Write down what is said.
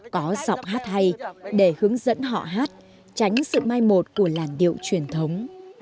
có giọng hát hay để hướng dẫn họ hát tránh sự mai một của làn điệu truyền thống